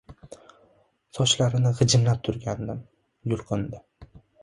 Sochlarini g‘ijimlab turgandim, yulqindi.